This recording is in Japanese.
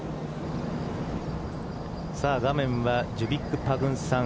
画面はジュビック・パグンサン。